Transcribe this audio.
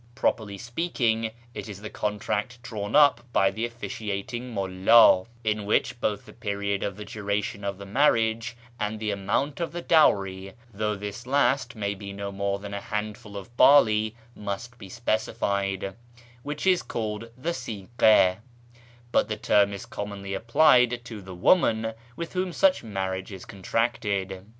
Properly speaking, it is the contract drawn up by the oSiciating mulld (in which both the period of duration of the marriage, and the amount of the dowry — though this last may be no more than a handful of barley — nmst be specified), which is called the ^iglia, but the term is commonly applied to the woman with whom such marriao;e is contracted.